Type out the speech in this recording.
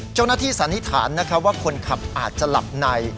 เจ้าหน้าที่สันนิษฐานนะครับว่าคนขับอาจจะหลับใน